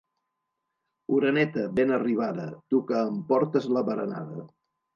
Oreneta, ben arribada, tu que em portes la berenada.